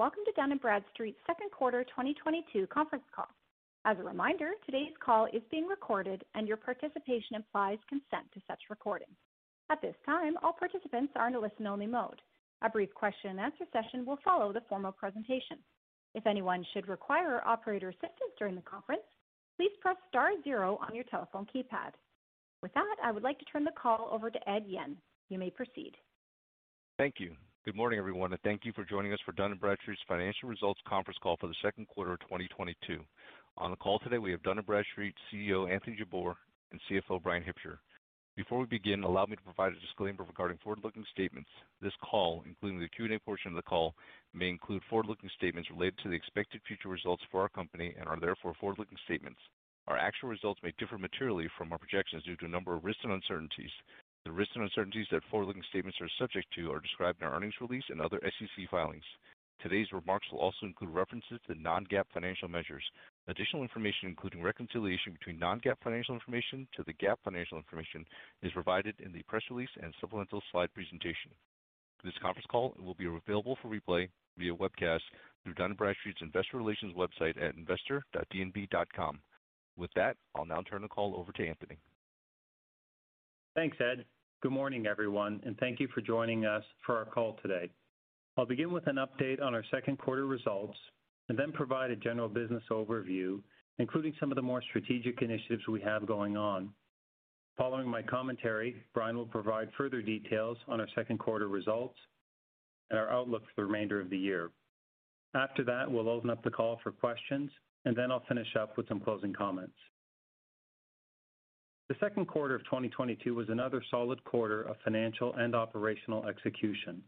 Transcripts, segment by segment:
Good morning, and welcome to Dun & Bradstreet second quarter 2022 conference call. As a reminder, today's call is being recorded and your participation implies consent to such recording. At this time, all participants are in a listen-only mode. A brief question and answer session will follow the formal presentation. If anyone should require operator assistance during the conference, please press star zero on your telephone keypad. With that, I would like to turn the call over to Ed Yuen. You may proceed. Thank you. Good morning, everyone, and thank you for joining us for Dun & Bradstreet's Financial Results Conference Call for the second quarter of 2022. On the call today we have Dun & Bradstreet CEO Anthony Jabbour and CFO Bryan Hipsher. Before we begin, allow me to provide a disclaimer regarding forward-looking statements. This call, including the Q&A portion of the call, may include forward-looking statements related to the expected future results for our company and are therefore forward-looking statements. Our actual results may differ materially from our projections due to a number of risks and uncertainties. The risks and uncertainties that forward-looking statements are subject to are described in our earnings release and other SEC filings. Today's remarks will also include references to non-GAAP financial measures. Additional information, including reconciliation between non-GAAP financial information to the GAAP financial information, is provided in the press release and supplemental slide presentation. This conference call will be available for replay via webcast through Dun & Bradstreet's investor relations website at investor.dnb.com. With that, I'll now turn the call over to Anthony. Thanks, Ed. Good morning, everyone, and thank you for joining us for our call today. I'll begin with an update on our second quarter results and then provide a general business overview, including some of the more strategic initiatives we have going on. Following my commentary, Bryan will provide further details on our second quarter results and our outlook for the remainder of the year. After that, we'll open up the call for questions, and then I'll finish up with some closing comments. The second quarter of 2022 was another solid quarter of financial and operational execution.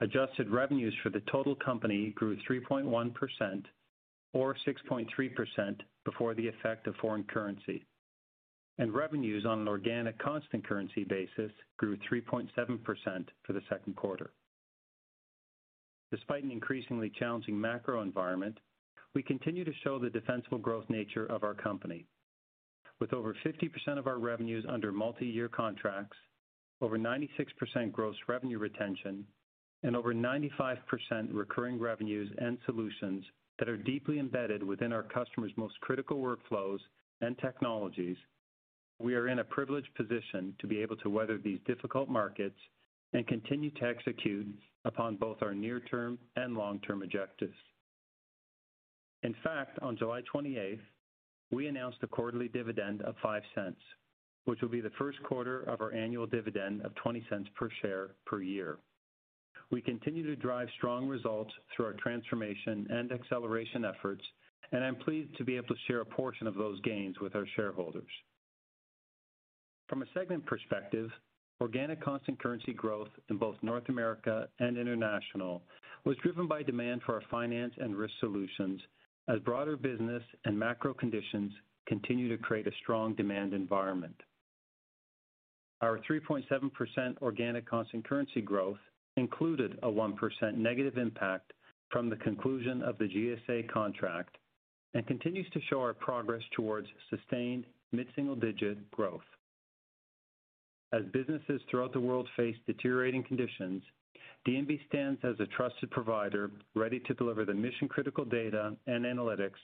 Adjusted revenues for the total company grew 3.1% or 6.3% before the effect of foreign currency. Revenues on an organic constant currency basis grew 3.7% for the second quarter. Despite an increasingly challenging macro environment, we continue to show the defensible growth nature of our company. With over 50% of our revenues under multi-year contracts, over 96% gross revenue retention, and over 95% recurring revenues and solutions that are deeply embedded within our customers' most critical workflows and technologies, we are in a privileged position to be able to weather these difficult markets and continue to execute upon both our near-term and long-term objectives. In fact, on July 28th, we announced a quarterly dividend of $0.05, which will be the first quarter of our annual dividend of $0.20 per share per year. We continue to drive strong results through our transformation and acceleration efforts, and I'm pleased to be able to share a portion of those gains with our shareholders. From a segment perspective, organic constant currency growth in both North America and International was driven by demand for our finance and risk solutions as broader business and macro conditions continue to create a strong demand environment. Our 3.7% organic constant currency growth included a 1% negative impact from the conclusion of the GSA contract and continues to show our progress towards sustained mid-single digit growth. As businesses throughout the world face deteriorating conditions, D&B stands as a trusted provider ready to deliver the mission-critical data and analytics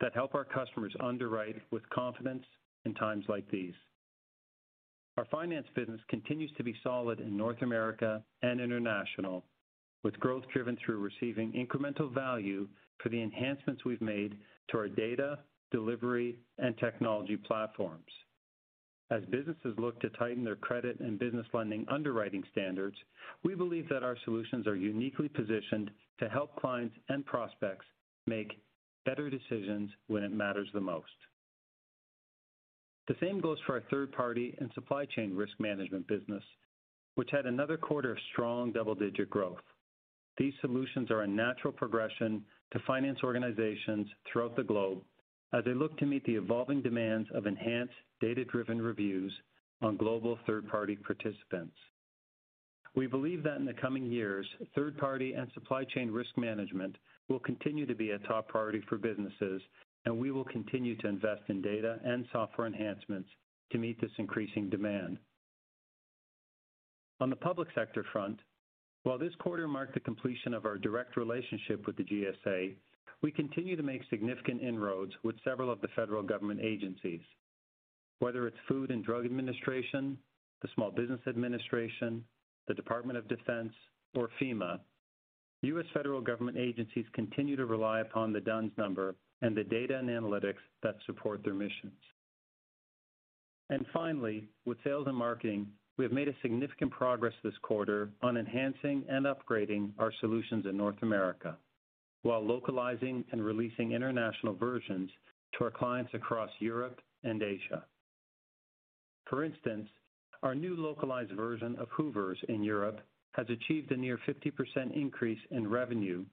that help our customers underwrite with confidence in times like these. Our finance business continues to be solid in North America and International, with growth driven through receiving incremental value for the enhancements we've made to our data, delivery, and technology platforms. As businesses look to tighten their credit and business lending underwriting standards, we believe that our solutions are uniquely positioned to help clients and prospects make better decisions when it matters the most. The same goes for our third party and supply chain risk management business, which had another quarter of strong double-digit growth. These solutions are a natural progression to finance organizations throughout the globe as they look to meet the evolving demands of enhanced data-driven reviews on global third-party participants. We believe that in the coming years, third-party and supply chain risk management will continue to be a top priority for businesses, and we will continue to invest in data and software enhancements to meet this increasing demand. On the public sector front, while this quarter marked the completion of our direct relationship with the GSA, we continue to make significant inroads with several of the federal government agencies. Whether it's Food and Drug Administration, the Small Business Administration, the Department of Defense, or FEMA, U.S. federal government agencies continue to rely upon the D-U-N-S Number and the data and analytics that support their missions. Finally, with sales and marketing, we have made a significant progress this quarter on enhancing and upgrading our solutions in North America while localizing and releasing international versions to our clients across Europe and Asia. For instance, our new localized version of Hoover's in Europe has achieved a near 50% increase in revenue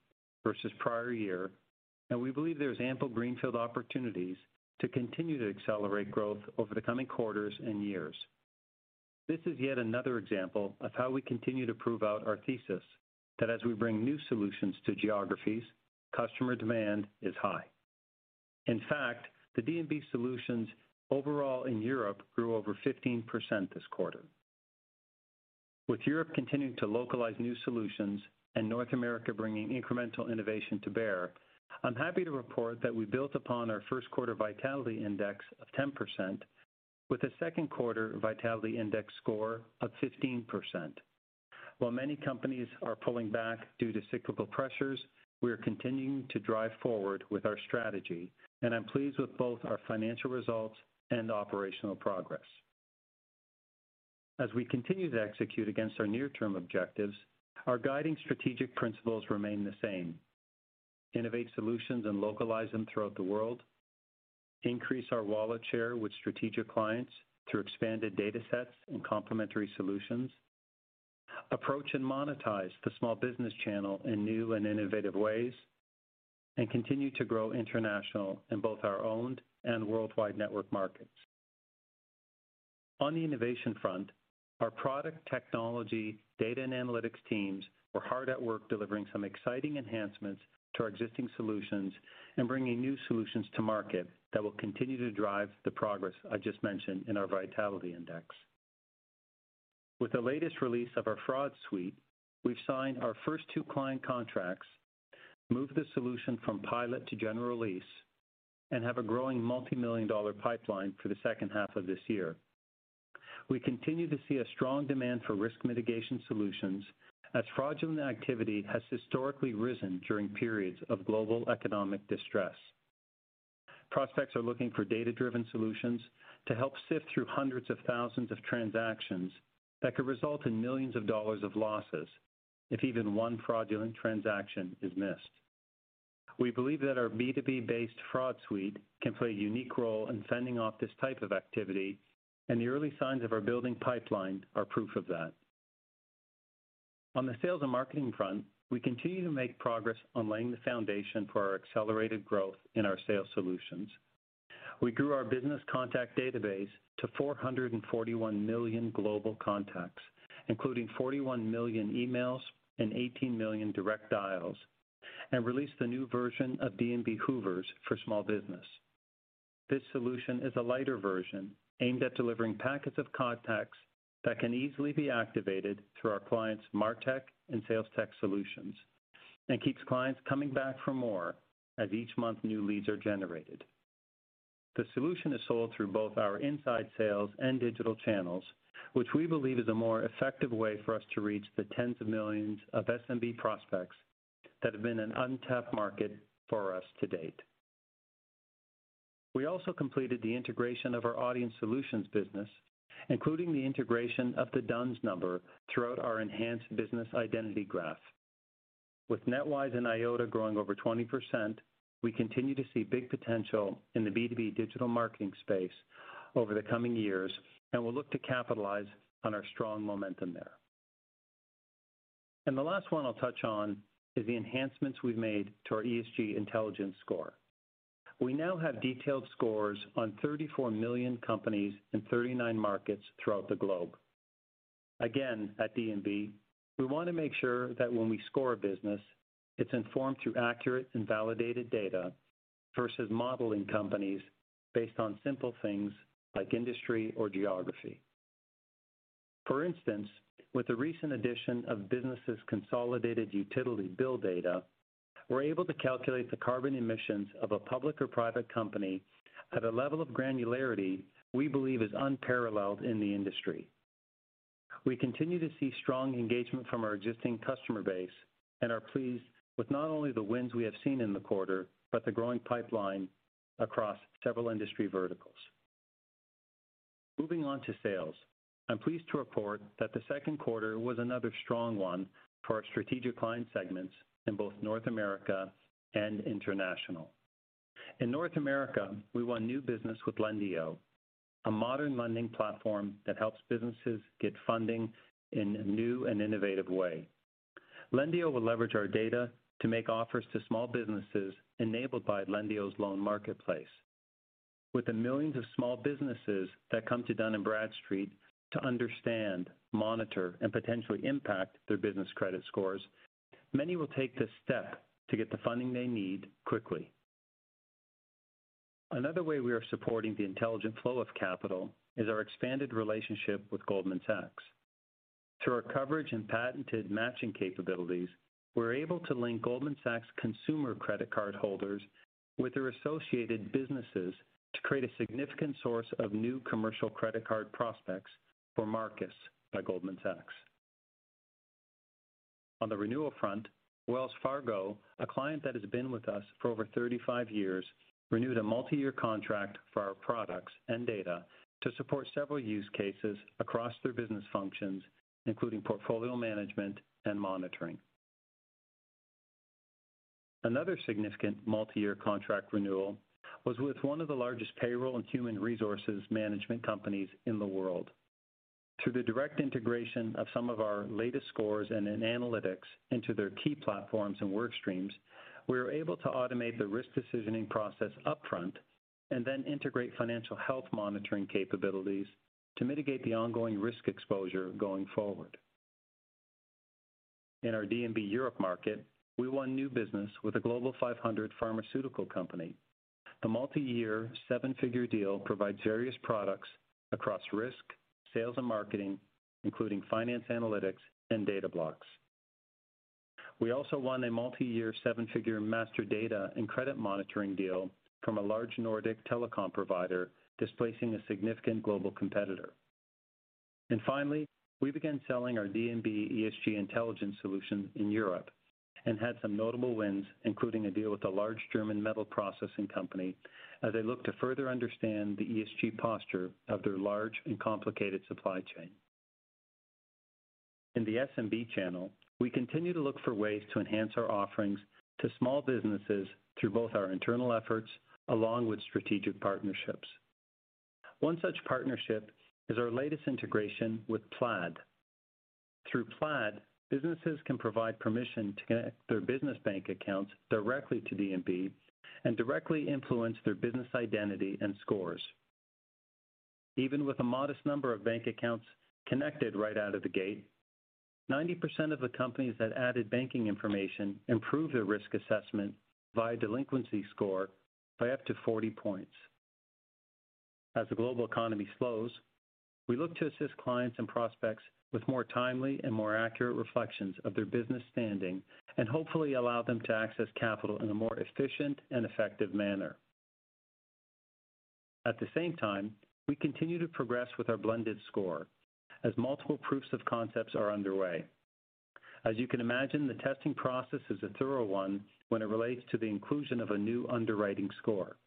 versus prior year, and we believe there's ample greenfield opportunities to continue to accelerate growth over the coming quarters and years. This is yet another example of how we continue to prove out our thesis that as we bring new solutions to geographies, customer demand is high. In fact, the D&B solutions overall in Europe grew over 15% this quarter. With Europe continuing to localize new solutions and North America bringing incremental innovation to bear, I'm happy to report that we built upon our first quarter vitality index of 10% with a second quarter vitality index score of 15%. While many companies are pulling back due to cyclical pressures, we are continuing to drive forward with our strategy, and I'm pleased with both our financial results and operational progress. As we continue to execute against our near term objectives, our guiding strategic principles remain the same. Innovate solutions and localize them throughout the world. Increase our wallet share with strategic clients through expanded datasets and complementary solutions. Approach and monetize the small business channel in new and innovative ways, and continue to grow international in both our owned and worldwide network markets. On the innovation front, our product technology data and analytics teams were hard at work delivering some exciting enhancements to our existing solutions and bringing new solutions to market that will continue to drive the progress I just mentioned in our vitality index. With the latest release of our fraud suite, we've signed our first two client contracts, moved the solution from pilot to general release, and have a growing multi-million-dollar pipeline for the second half of this year. We continue to see a strong demand for risk mitigation solutions as fraudulent activity has historically risen during periods of global economic distress. Prospects are looking for data-driven solutions to help sift through hundreds of thousands of transactions that could result in millions of dollars of losses if even one fraudulent transaction is missed. We believe that our B2B-based fraud suite can play a unique role in fending off this type of activity, and the early signs of our building pipeline are proof of that. On the sales and marketing front, we continue to make progress on laying the foundation for our accelerated growth in our sales solutions. We grew our business contact database to 441 million global contacts, including 41 million emails and 18 million direct dials, and released the new version of D&B Hoovers for small business. This solution is a lighter version aimed at delivering packets of contacts that can easily be activated through our clients martech and salestech solutions, and keeps clients coming back for more as each month new leads are generated. The solution is sold through both our inside sales and digital channels, which we believe is a more effective way for us to reach the tens of millions of SMB prospects that have been an untapped market for us to date. We also completed the integration of our audience solutions business, including the integration of the D-U-N-S Number throughout our enhanced business identity graph. With NetWise and Eyeota growing over 20%, we continue to see big potential in the B2B digital marketing space over the coming years and will look to capitalize on our strong momentum there. The last one I'll touch on is the enhancements we've made to our ESG intelligence score. We now have detailed scores on 34 million companies in 39 markets throughout the globe. Again, at D&B, we want to make sure that when we score a business, it's informed through accurate and validated data versus modeling companies based on simple things like industry or geography. For instance, with the recent addition of businesses' consolidated utility bill data, we're able to calculate the carbon emissions of a public or private company at a level of granularity we believe is unparalleled in the industry. We continue to see strong engagement from our existing customer base and are pleased with not only the wins we have seen in the quarter, but the growing pipeline across several industry verticals. Moving on to sales. I'm pleased to report that the second quarter was another strong one for our strategic client segments in both North America and International. In North America, we won new business with Lendio, a modern lending platform that helps businesses get funding in a new and innovative way. Lendio will leverage our data to make offers to small businesses enabled by Lendio's loan marketplace. With the millions of small businesses that come to Dun & Bradstreet to understand, monitor, and potentially impact their business credit scores, many will take this step to get the funding they need quickly. Another way we are supporting the intelligent flow of capital is our expanded relationship with Goldman Sachs. Through our coverage and patented matching capabilities, we're able to link Goldman Sachs consumer credit card holders with their associated businesses to create a significant source of new commercial credit card prospects for Marcus by Goldman Sachs. On the renewal front, Wells Fargo, a client that has been with us for over 35 years, renewed a multi-year contract for our products and data to support several use cases across their business functions, including portfolio management and monitoring. Another significant multi-year contract renewal was with one of the largest payroll and human resources management companies in the world. Through the direct integration of some of our latest scores and analytics into their key platforms and work streams, we were able to automate the risk decisioning process upfront and then integrate financial health monitoring capabilities to mitigate the ongoing risk exposure going forward. In our D&B Europe market, we won new business with a Global 500 pharmaceutical company. The multi-year seven-figure deal provides various products across risk, sales, and marketing, including finance analytics and data blocks. We also won a multi-year seven-figure master data and credit monitoring deal from a large Nordic telecom provider, displacing a significant global competitor. Finally, we began selling our D&B ESG Intelligence solution in Europe and had some notable wins, including a deal with a large German metal processing company as they look to further understand the ESG posture of their large and complicated supply chain. In the SMB channel, we continue to look for ways to enhance our offerings to small businesses through both our internal efforts along with strategic partnerships. One such partnership is our latest integration with Plaid. Through Plaid, businesses can provide permission to connect their business bank accounts directly to D&B and directly influence their business identity and scores. Even with a modest number of bank accounts connected right out of the gate, 90% of the companies that added banking information improved their risk assessment via delinquency score by up to 40 points. As the global economy slows, we look to assist clients and prospects with more timely and more accurate reflections of their business standing and hopefully allow them to access capital in a more efficient and effective manner. At the same time, we continue to progress with our blended score as multiple proofs of concepts are underway. As you can imagine, the testing process is a thorough one when it relates to the inclusion of a new underwriting score.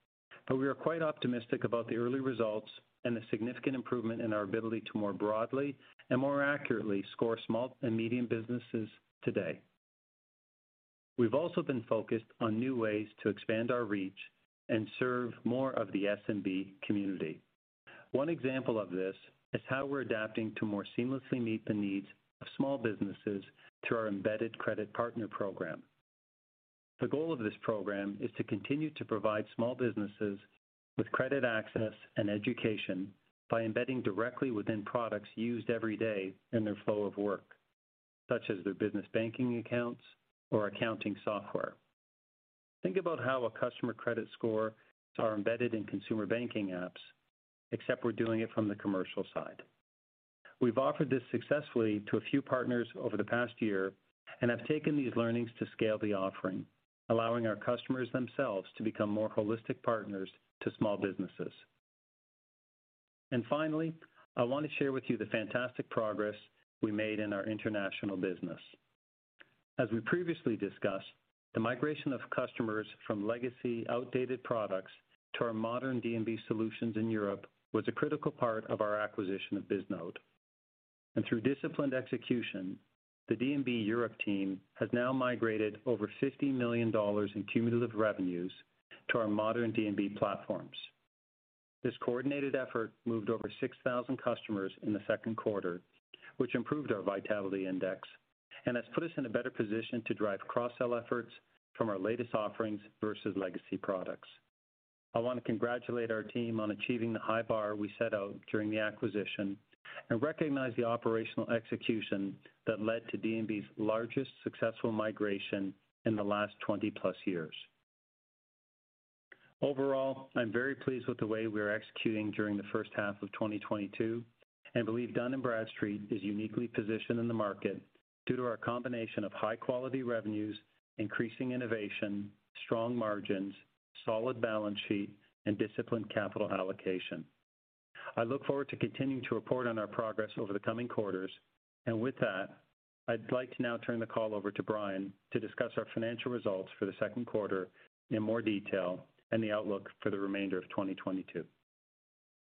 We are quite optimistic about the early results and the significant improvement in our ability to more broadly and more accurately score small and medium businesses today. We've also been focused on new ways to expand our reach and serve more of the SMB community. One example of this is how we're adapting to more seamlessly meet the needs of small businesses through our embedded credit partner program. The goal of this program is to continue to provide small businesses with credit access and education by embedding directly within products used every day in their flow of work, such as their business banking accounts or accounting software. Think about how a customer credit score are embedded in consumer banking apps, except we're doing it from the commercial side. We've offered this successfully to a few partners over the past year and have taken these learnings to scale the offering, allowing our customers themselves to become more holistic partners to small businesses. Finally, I want to share with you the fantastic progress we made in our international business. As we previously discussed, the migration of customers from legacy outdated products to our modern D&B solutions in Europe was a critical part of our acquisition of Bisnode. Through disciplined execution, the D&B Europe team has now migrated over $50 million in cumulative revenues to our modern D&B platforms. This coordinated effort moved over 6,000 customers in the second quarter, which improved our vitality index and has put us in a better position to drive cross-sell efforts from our latest offerings versus legacy products. I want to congratulate our team on achieving the high bar we set out during the acquisition and recognize the operational execution that led to D&B's largest successful migration in the last 20+ years. Overall, I'm very pleased with the way we are executing during the first half of 2022 and believe Dun & Bradstreet is uniquely positioned in the market due to our combination of high-quality revenues, increasing innovation, strong margins, solid balance sheet, and disciplined capital allocation. I look forward to continuing to report on our progress over the coming quarters. With that, I'd like to now turn the call over to Bryan to discuss our financial results for the second quarter in more detail and the outlook for the remainder of 2022.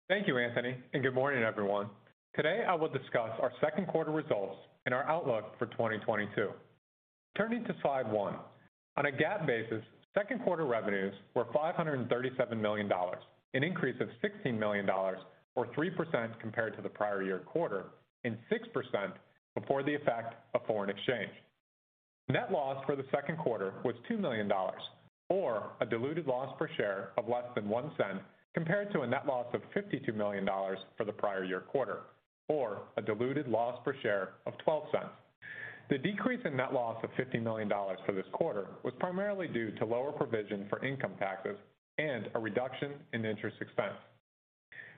Thank you, Anthony, and good morning, everyone. Today, I will discuss our second quarter results and our outlook for 2022. Turning to slide one. On a GAAP basis, second quarter revenues were $537 million, an increase of $16 million or 3% compared to the prior year quarter and 6% before the effect of foreign exchange. Net loss for the second quarter was $2 million or a diluted loss per share of less than $0.01 compared to a net loss of $52 million for the prior year quarter or a diluted loss per share of $0.12. The decrease in net loss of $50 million for this quarter was primarily due to lower provision for income taxes and a reduction in interest expense.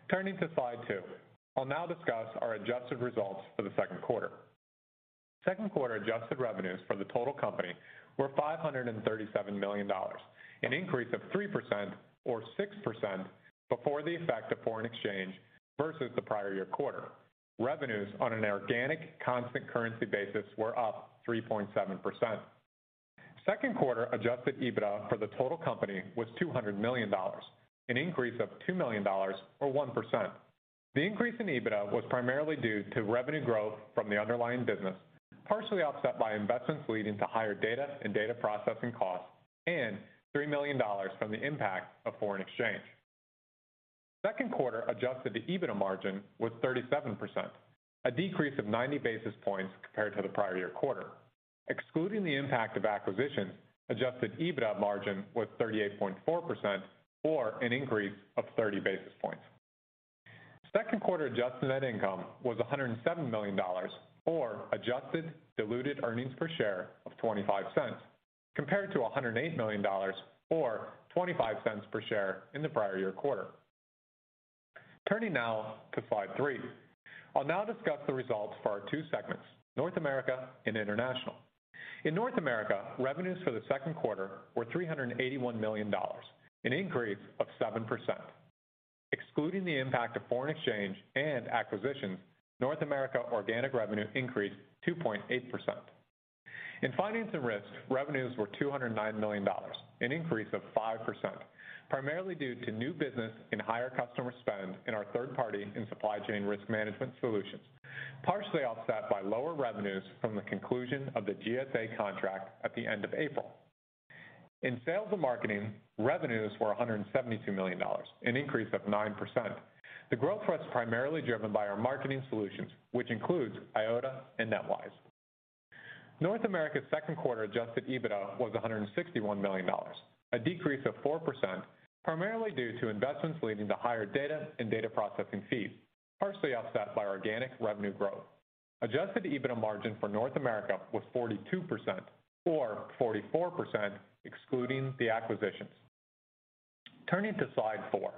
Turning to slide two. I'll now discuss our adjusted results for the second quarter. Second quarter adjusted revenues for the total company were $537 million, an increase of 3% or 6% before the effect of foreign exchange versus the prior year quarter. Revenues on an organic constant currency basis were up 3.7%. Second quarter adjusted EBITDA for the total company was $200 million, an increase of $2 million or 1%. The increase in EBITDA was primarily due to revenue growth from the underlying business, partially offset by investments leading to higher data and data processing costs and $3 million from the impact of foreign exchange. Second quarter adjusted EBITDA margin was 37%, a decrease of 90 basis points compared to the prior year quarter. Excluding the impact of acquisitions, adjusted EBITDA margin was 38.4% or an increase of 30 basis points. Second quarter adjusted net income was $107 million or adjusted diluted earnings per share of $0.25 compared to $108 million or $0.25 per share in the prior year quarter. Turning now to slide three. I'll now discuss the results for our two segments, North America and International. In North America, revenues for the second quarter were $381 million, an increase of 7%. Excluding the impact of foreign exchange and acquisitions, North America organic revenue increased 2.8%. In finance and risk, revenues were $209 million, an increase of 5%, primarily due to new business and higher customer spend in our third party and supply chain risk management solutions, partially offset by lower revenues from the conclusion of the GSA contract at the end of April. In sales and marketing, revenues were $172 million, an increase of 9%. The growth was primarily driven by our marketing solutions, which includes Eyeota and NetWise. North America's second quarter adjusted EBITDA was $161 million, a decrease of 4%, primarily due to investments leading to higher data and data processing fees, partially offset by organic revenue growth. Adjusted EBITDA margin for North America was 42% or 44% excluding the acquisitions. Turning to slide four.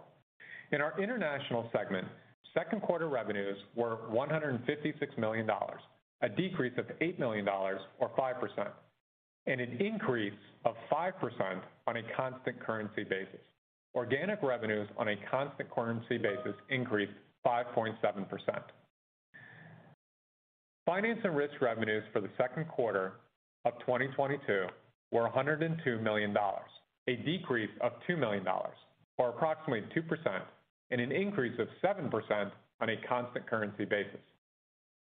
In our international segment, second quarter revenues were $156 million, a decrease of $8 million or 5%, and an increase of 5% on a constant currency basis. Organic revenues on a constant currency basis increased 5.7%. Finance and risk revenues for the second quarter of 2022 were $102 million, a decrease of $2 million or approximately 2% and an increase of 7% on a constant currency basis.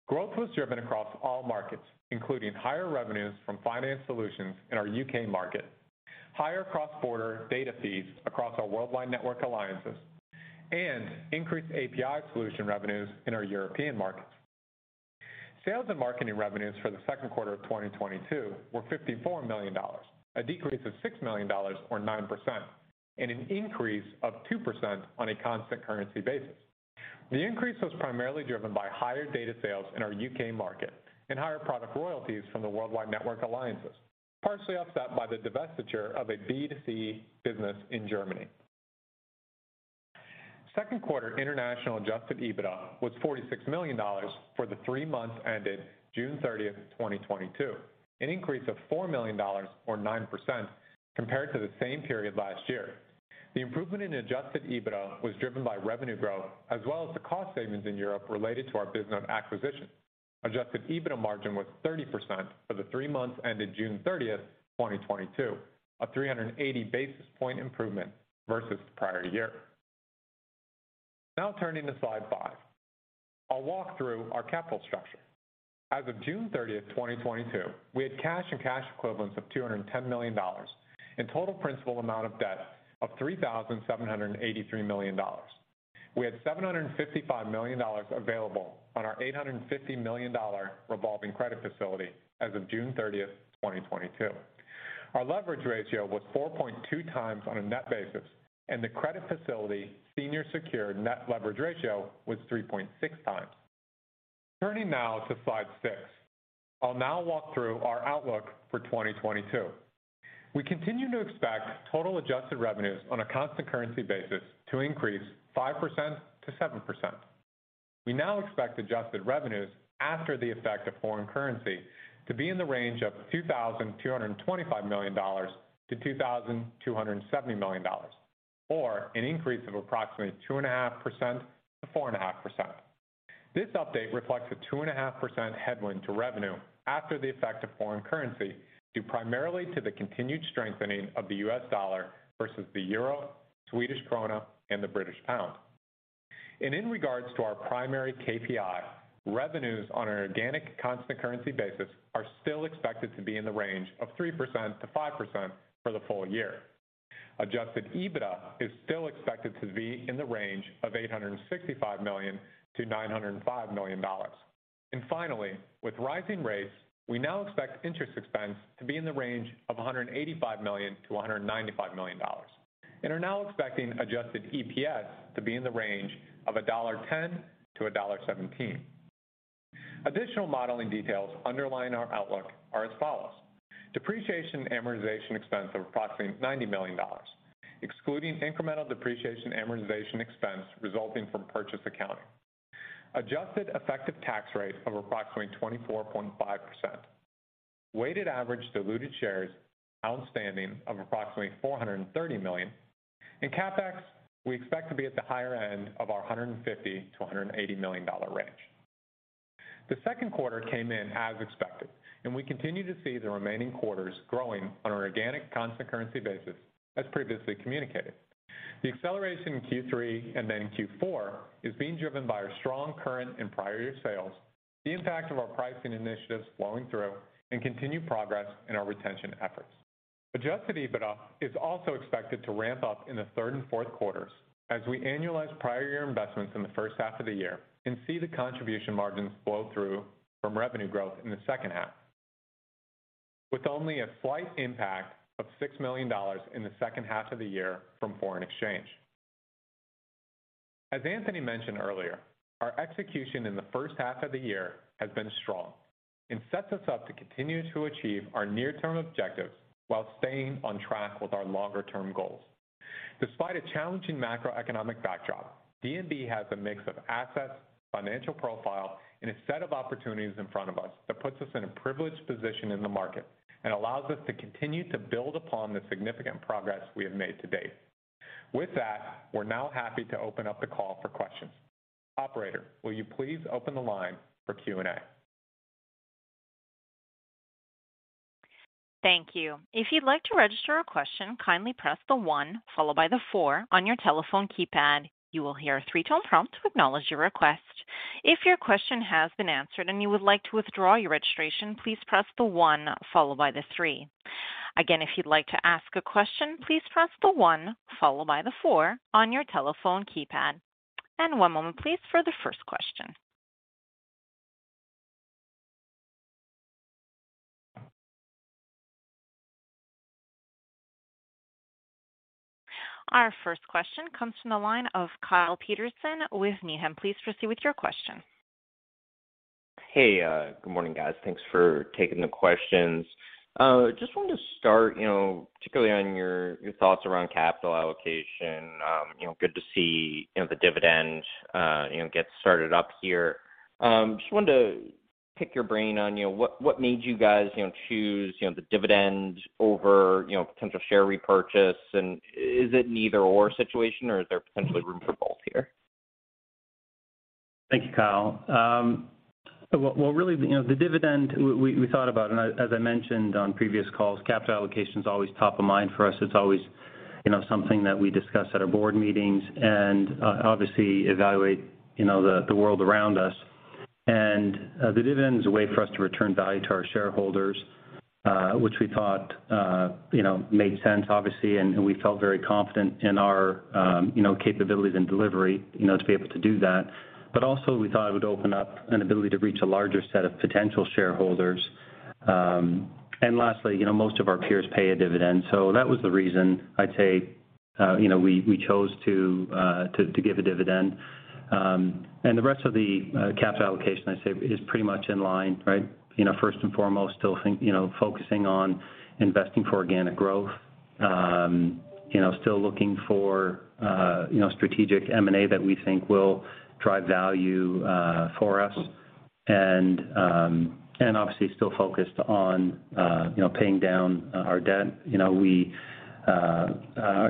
Growth was driven across all markets, including higher revenues from finance solutions in our U.K. market, higher cross-border data fees across our worldwide network alliances, and increased API solution revenues in our European markets. Sales and marketing revenues for the second quarter of 2022 were $54 million, a decrease of $6 million or 9%, and an increase of 2% on a constant currency basis. The increase was primarily driven by higher data sales in our U.K. market and higher product royalties from the worldwide network alliances, partially offset by the divestiture of a B2B business in Germany. Second quarter international adjusted EBITDA was $46 million for the three months ended June 30th, 2022, an increase of $4 million or 9% compared to the same period last year. The improvement in adjusted EBITDA was driven by revenue growth as well as the cost savings in Europe related to our Bisnode acquisition. Adjusted EBITDA margin was 30% for the three months ended June 30th, 2022, a 380 basis point improvement versus the prior year. Now turning to slide five. I'll walk through our capital structure. As of June 30th, 2022, we had cash and cash equivalents of $210 million and total principal amount of debt of $3,783 million. We had $755 million available on our $850 million revolving credit facility as of June 30th, 2022. Our leverage ratio was 4.2x on a net basis, and the credit facility senior secured net leverage ratio was 3.6x. Turning now to slide six. I'll now walk through our outlook for 2022. We continue to expect total adjusted revenues on a constant currency basis to increase 5%-7%. We now expect adjusted revenues after the effect of foreign currency to be in the range of $2,225 million-$2,270 million, or an increase of approximately 2.5%-4.5%. This update reflects a 2.5% headwind to revenue after the effect of foreign currency due primarily to the continued strengthening of the U.S. dollar versus the euro, Swedish krona, and the British pound. In regards to our primary KPI, revenues on an organic constant currency basis are still expected to be in the range of 3%-5% for the full year. Adjusted EBITDA is still expected to be in the range of $865 million-$905 million. Finally, with rising rates, we now expect interest expense to be in the range of $185 million-$195 million and are now expecting adjusted EPS to be in the range of $1.10-$1.17. Additional modeling details underlying our outlook are as follows. Depreciation and amortization expense of approximately $90 million, excluding incremental depreciation and amortization expense resulting from purchase accounting. Adjusted effective tax rate of approximately 24.5%. Weighted average diluted shares outstanding of approximately 430 million. CapEx, we expect to be at the higher end of our $150 million-$180 million range. The second quarter came in as expected, and we continue to see the remaining quarters growing on an organic constant currency basis as previously communicated. The acceleration in Q3 and then Q4 is being driven by our strong current and prior year sales, the impact of our pricing initiatives flowing through and continued progress in our retention efforts. Adjusted EBITDA is also expected to ramp up in the third and fourth quarters as we annualize prior year investments in the first half of the year and see the contribution margins flow through from revenue growth in the second half. With only a slight impact of $6 million in the second half of the year from foreign exchange. As Anthony mentioned earlier, our execution in the first half of the year has been strong and sets us up to continue to achieve our near-term objectives while staying on track with our longer-term goals. Despite a challenging macroeconomic backdrop, D&B has a mix of assets, financial profile, and a set of opportunities in front of us that puts us in a privileged position in the market and allows us to continue to build upon the significant progress we have made to date. With that, we're now happy to open up the call for questions. Operator, will you please open the line for Q&A? Thank you. If you'd like to register a question, kindly press the one followed by the four on your telephone keypad. You will hear a three-tone prompt to acknowledge your request. If your question has been answered and you would like to withdraw your registration, please press the one followed by the three. Again, if you'd like to ask a question, please press the one followed by the four on your telephone keypad. One moment, please, for the first question. Our first question comes from the line of Kyle Peterson with Needham. Please proceed with your question. Hey, good morning, guys. Thanks for taking the questions. Just wanted to start, you know, particularly on your thoughts around capital allocation. You know, good to see, you know, the dividend, you know, get started up here. Just wanted to pick your brain on, you know, what made you guys, you know, choose, you know, the dividend over, you know, potential share repurchase, and is it an either/or situation or is there potentially room for both here? Thank you, Kyle. Well, really, you know, the dividend we thought about, as I mentioned on previous calls, capital allocation is always top of mind for us. It's always, you know, something that we discuss at our board meetings and obviously evaluate, you know, the world around us. The dividend is a way for us to return value to our shareholders, which we thought, you know, made sense obviously, and we felt very confident in our, you know, capabilities and delivery, you know, to be able to do that. Also we thought it would open up an ability to reach a larger set of potential shareholders. Lastly, you know, most of our peers pay a dividend. That was the reason I'd say, you know, we chose to give a dividend. The rest of the capital allocation I'd say is pretty much in line, right? You know, first and foremost, still think, you know, focusing on investing for organic growth. You know, still looking for, you know, strategic M&A that we think will drive value for us. Obviously still focused on, you know, paying down our debt.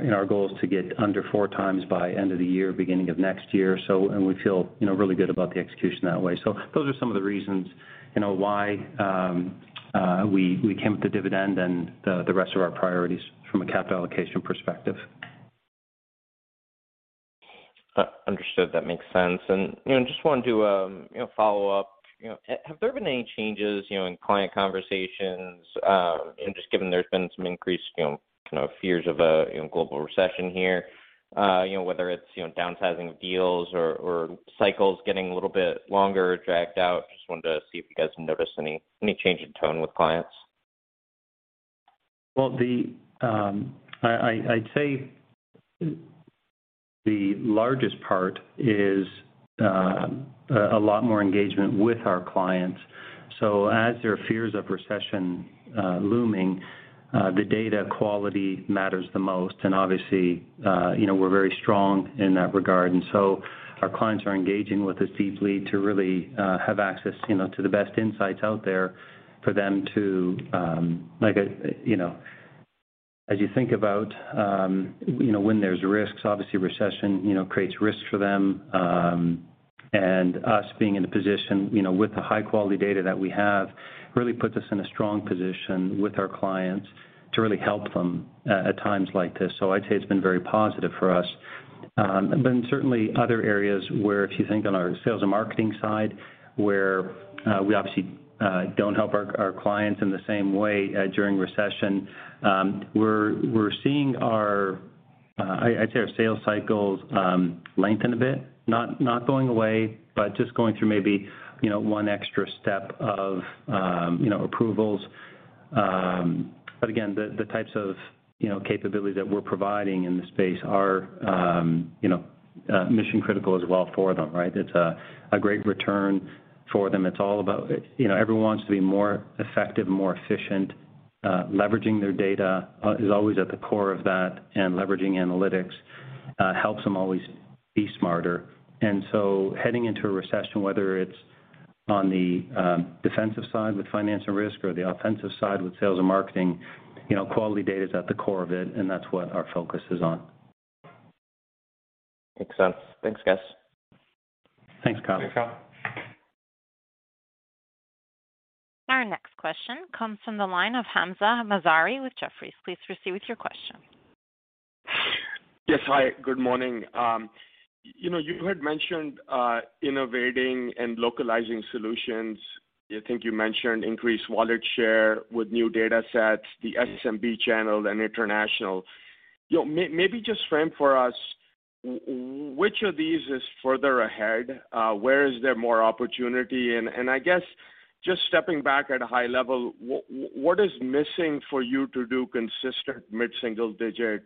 You know, our goal is to get under 4x by end of the year, beginning of next year. We feel, you know, really good about the execution that way. Those are some of the reasons, you know, why we came up with the dividend and the rest of our priorities from a capital allocation perspective. Understood. That makes sense. You know, just wanted to, you know, follow up. You know, have there been any changes, you know, in client conversations, and just given there's been some increased, you know, fears of a, you know, global recession here, you know, whether it's, you know, downsizing of deals or cycles getting a little bit longer or dragged out? Just wanted to see if you guys have noticed any change in tone with clients. Well, I'd say the largest part is a lot more engagement with our clients. As there are fears of recession looming, the data quality matters the most. Obviously, you know, we're very strong in that regard. Our clients are engaging with us deeply to really have access, you know, to the best insights out there for them to, like, you know, as you think about, you know, when there's risks, obviously recession, you know, creates risks for them. Us being in a position, you know, with the high-quality data that we have really puts us in a strong position with our clients to really help them at times like this. I'd say it's been very positive for us. Certainly other areas where if you think on our sales and marketing side, where we obviously don't help our clients in the same way during recession, we're seeing our sales cycles, I'd say, lengthen a bit, not going away, but just going through maybe, you know, one extra step of, you know, approvals. The types of, you know, capabilities that we're providing in the space are, you know, mission-critical as well for them, right? It's a great return for them. It's all about, you know, everyone wants to be more effective and more efficient. Leveraging their data is always at the core of that, and leveraging analytics helps them always be smarter. Heading into a recession, whether it's on the defensive side with financial risk or the offensive side with sales and marketing, you know, quality data is at the core of it, and that's what our focus is on. Makes sense. Thanks, guys. Thanks, Kyle. Our next question comes from the line of Hamzah Mazari with Jefferies. Please proceed with your question. Yes. Hi, good morning. You know, you had mentioned innovating and localizing solutions. I think you mentioned increased wallet share with new datasets, the SMB channel and international. You know, maybe just frame for us which of these is further ahead? Where is there more opportunity? I guess just stepping back at a high level, what is missing for you to do consistent mid-single digit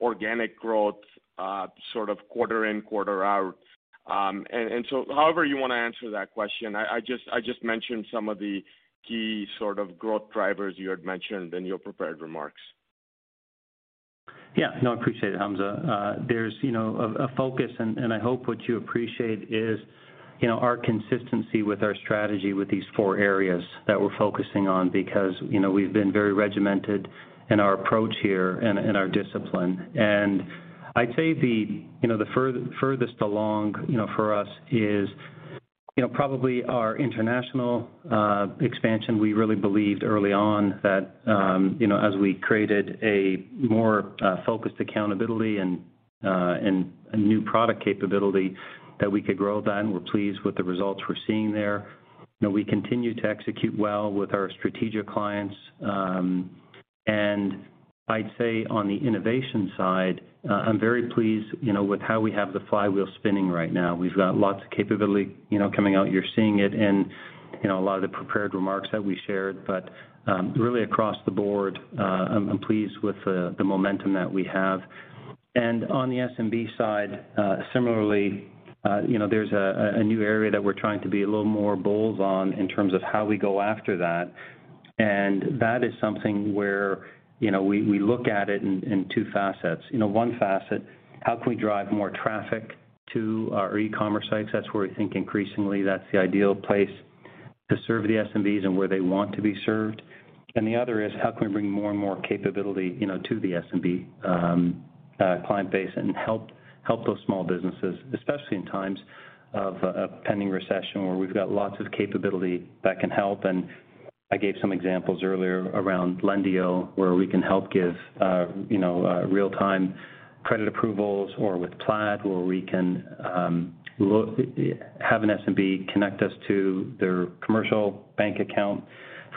organic growth, sort of quarter in, quarter out? However you wanna answer that question. I just mentioned some of the key sort of growth drivers you had mentioned in your prepared remarks. Yeah. No, I appreciate it, Hamzah. There's, you know, a focus and I hope what you appreciate is, you know, our consistency with our strategy with these four areas that we're focusing on because, you know, we've been very regimented in our approach here and in our discipline. I'd say the, you know, the furthest along, you know, for us is, you know, probably our international expansion. We really believed early on that, you know, as we created a more focused accountability and a new product capability that we could grow then. We're pleased with the results we're seeing there. You know, we continue to execute well with our strategic clients. I'd say on the innovation side, I'm very pleased, you know, with how we have the flywheel spinning right now. We've got lots of capability, you know, coming out. You're seeing it in, you know, a lot of the prepared remarks that we shared. Really across the board, I'm pleased with the momentum that we have. On the SMB side, similarly, you know, there's a new area that we're trying to be a little more bold on in terms of how we go after that. That is something where, you know, we look at it in two facets. You know, one facet, how can we drive more traffic to our e-commerce sites? That's where we think increasingly that's the ideal place to serve the SMBs and where they want to be served. The other is how can we bring more and more capability, you know, to the SMB client base and help those small businesses, especially in times of a pending recession where we've got lots of capability that can help. I gave some examples earlier around Lendio, where we can help give real-time credit approvals or with Plaid where we can have an SMB connect us to their commercial bank account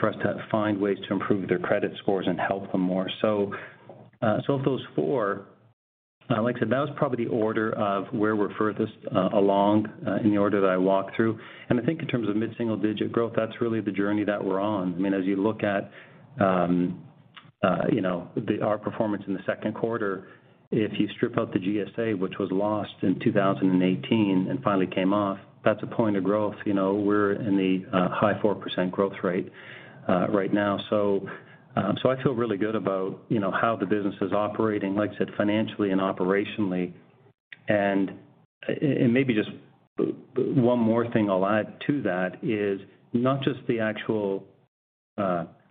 for us to find ways to improve their credit scores and help them more. Of those four, like I said, that was probably the order of where we're furthest along in the order that I walked through. I think in terms of mid-single digit growth, that's really the journey that we're on. I mean, as you look at, you know, our performance in the second quarter, if you strip out the GSA, which was lost in 2018 and finally came off, that's a point of growth. You know, we're in the high 4% growth rate right now. I feel really good about, you know, how the business is operating, like I said, financially and operationally. Maybe just one more thing I'll add to that is not just the actual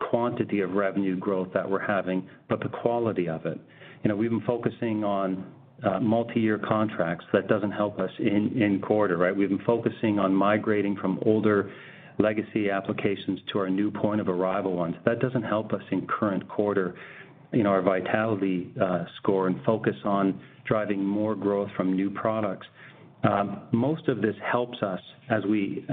quantity of revenue growth that we're having, but the quality of it. You know, we've been focusing on multi-year contracts. That doesn't help us in quarter, right? We've been focusing on migrating from older legacy applications to our new point-of-arrival ones. That doesn't help us in current quarter in our vitality score and focus on driving more growth from new products. Most of this helps us as we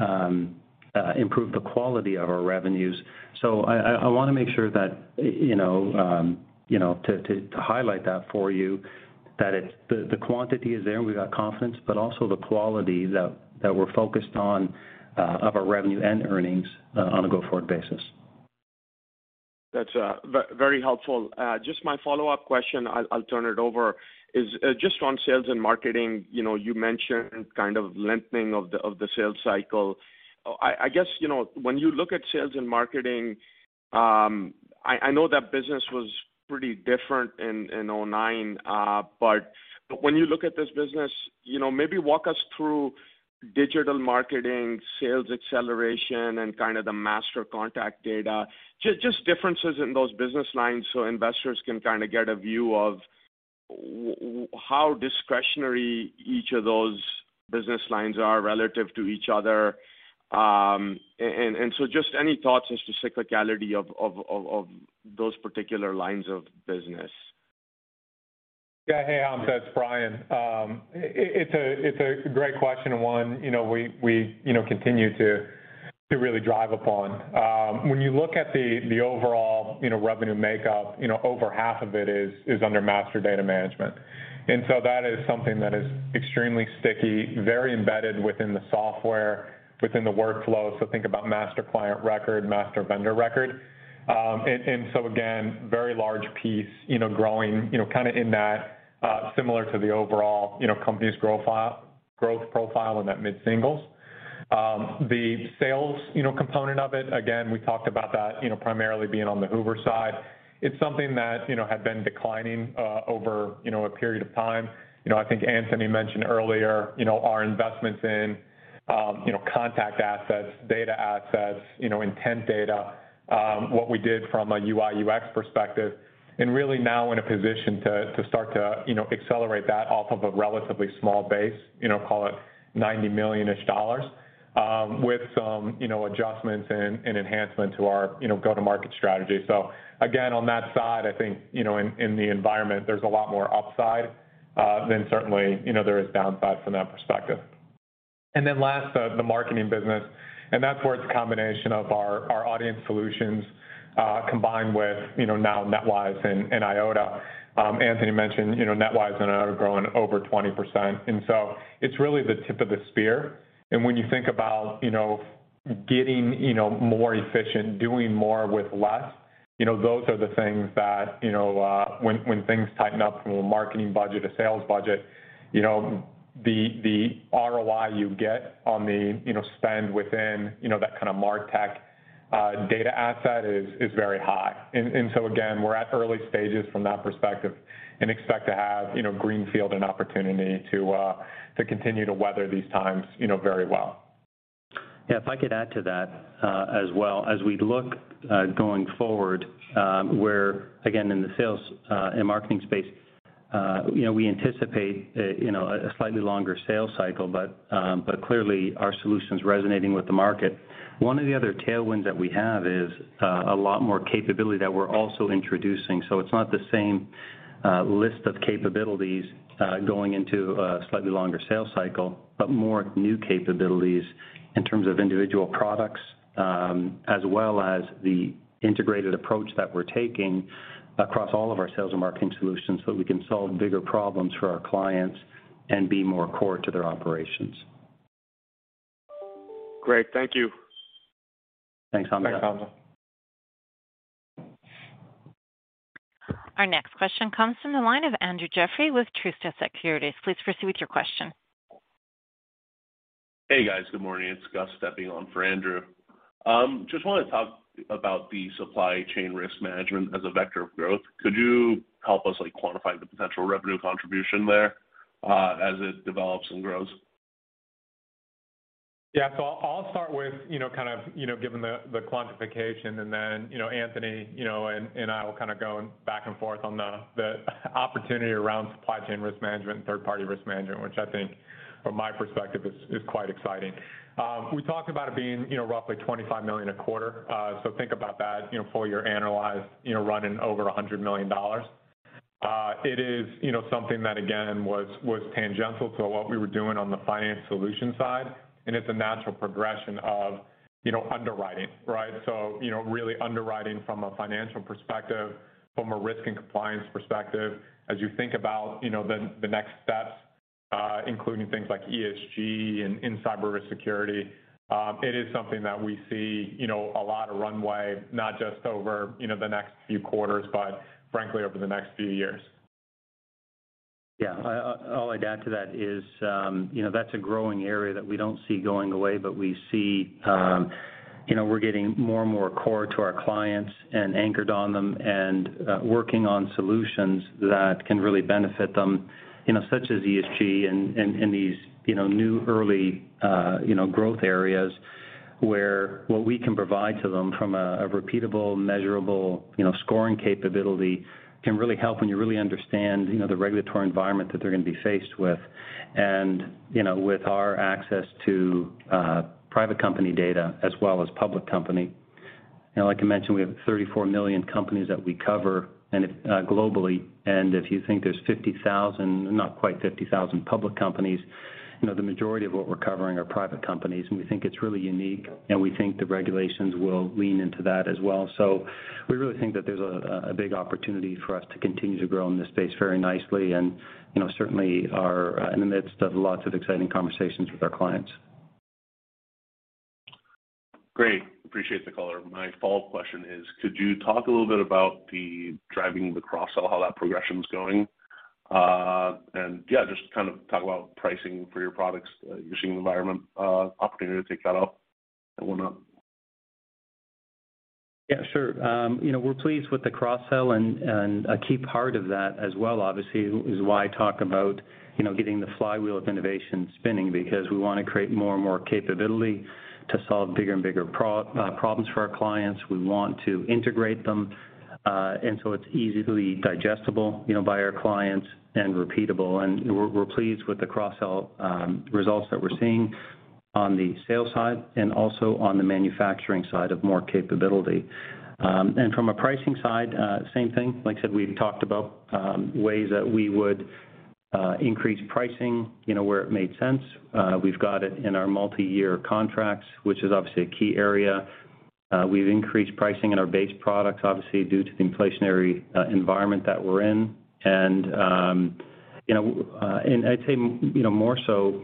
improve the quality of our revenues. I wanna make sure that, you know, you know, to highlight that for you, that the quantity is there and we've got confidence, but also the quality that we're focused on of our revenue and earnings on a go-forward basis. That's very helpful. Just my follow-up question, I'll turn it over, is just on sales and marketing. You know, you mentioned kind of lengthening of the sales cycle. I guess, you know, when you look at sales and marketing, I know that business was pretty different in 2009. When you look at this business, you know, maybe walk us through digital marketing, sales acceleration and kind of the master contact data. Just differences in those business lines so investors can kinda get a view of how discretionary each of those business lines are relative to each other. Just any thoughts as to cyclicality of those particular lines of business. Yeah. Hey, Hamzah, it's Bryan. It's a great question, one you know we continue to really drive upon. When you look at the overall revenue makeup, you know, over half of it is under master data management. And so that is something that is extremely sticky, very embedded within the software, within the workflow. So think about master client record, master vendor record. And so again, very large piece, you know, growing, you know, kinda in that similar to the overall company's growth profile in that mid-singles. The sales, you know, component of it, again, we talked about that, you know, primarily being on the Hoovers side. It's something that, you know, had been declining over a period of time. You know, I think Anthony mentioned earlier, you know, our investments in, you know, contact assets, data assets, you know, intent data, what we did from a UI/UX perspective, and really now in a position to start to, you know, accelerate that off of a relatively small base, you know, call it $90 million-ish, with some, you know, adjustments and enhancement to our, you know, go-to-market strategy. Again, on that side, I think, you know, in the environment, there's a lot more upside than certainly, you know, there is downside from that perspective. Last, the marketing business, and that's where it's a combination of our audience solutions, combined with, you know, now NetWise and Eyeota. Anthony mentioned, you know, NetWise and Eyeota are growing over 20%. It's really the tip of the spear. When you think about, you know, getting, you know, more efficient, doing more with less, you know, those are the things that, you know, when things tighten up from a marketing budget, a sales budget, you know, the ROI you get on the, you know, spend within, you know, that kind of martech data asset is very high. Again, we're at early stages from that perspective and expect to have, you know, greenfield and opportunity to to continue to weather these times, you know, very well. Yeah. If I could add to that, as well. As we look going forward, where again in the sales and marketing space, you know, we anticipate, you know, a slightly longer sales cycle, but clearly our solution's resonating with the market. One of the other tailwinds that we have is a lot more capability that we're also introducing. So it's not the same list of capabilities going into a slightly longer sales cycle, but more new capabilities in terms of individual products, as well as the integrated approach that we're taking across all of our sales and marketing solutions so that we can solve bigger problems for our clients and be more core to their operations. Great. Thank you. Thanks, Hamzah. Thanks, Hamzah. Our next question comes from the line of Andrew Jeffrey with Truist Securities. Please proceed with your question. Hey, guys. Good morning. It's Gus stepping on for Andrew. Just want to talk about supply chain risk management as a vector of growth. Could you help us, like, quantify the potential revenue contribution there, as it develops and grows? Yeah. I'll start with, you know, kind of giving the quantification and then, you know, Anthony, you know, and I will kind of go back and forth on the opportunity around supply chain risk management and third party risk management, which I think from my perspective is quite exciting. We talked about it being, you know, roughly $25 million a quarter. Think about that, you know, full year annualized, running over $100 million. It is, you know, something that again was tangential to what we were doing on the finance solution side, and it's a natural progression of, you know, underwriting, right? Really underwriting from a financial perspective, from a risk and compliance perspective. As you think about, you know, the next steps, including things like ESG and cyber risk security, it is something that we see, you know, a lot of runway, not just over, you know, the next few quarters, but frankly over the next few years. Yeah. All I'd add to that is, you know, that's a growing area that we don't see going away, but we see, you know, we're getting more and more core to our clients and anchored on them and working on solutions that can really benefit them, you know, such as ESG and these, you know, new early growth areas where what we can provide to them from a repeatable measurable, you know, scoring capability can really help when you really understand, you know, the regulatory environment that they're gonna be faced with. You know, with our access to private company data as well as public company. You know, like I mentioned, we have 34 million companies that we cover and if globally, and if you think there's 50,000, not quite 50,000 public companies, you know, the majority of what we're covering are private companies, and we think it's really unique, and we think the regulations will lean into that as well. We really think that there's a big opportunity for us to continue to grow in this space very nicely and, you know, certainly are in the midst of lots of exciting conversations with our clients. Great. Appreciate the color. My follow-up question is, could you talk a little bit about what's driving the cross-sell, how that progression's going? And yeah, just kind of talk about pricing for your products, usage environment, opportunity to take that up and whatnot. Yeah, sure. You know, we're pleased with the cross-sell and a key part of that as well obviously is why talk about, you know, getting the flywheel of innovation spinning because we wanna create more and more capability to solve bigger and bigger problems for our clients. We want to integrate them and so it's easily digestible, you know, by our clients and repeatable. We're pleased with the cross-sell results that we're seeing on the sales side and also on the manufacturing side of more capability. From a pricing side, same thing. Like I said, we've talked about ways that we would increase pricing, you know, where it made sense. We've got it in our multiyear contracts, which is obviously a key area. We've increased pricing in our base products obviously due to the inflationary environment that we're in. You know, and I'd say, you know, more so